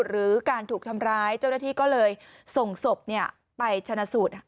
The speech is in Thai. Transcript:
หรือการถูกทำร้ายเจ้าหน้าที่ก็เลยส่งศพไปชนะสูตร